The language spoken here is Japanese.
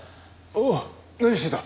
おっ何してた？